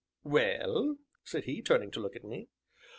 "Well?" said he, turning to look at me.